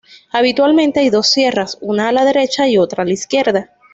Habitualmente hay dos sierras, una a la derecha y otra a la izquierda.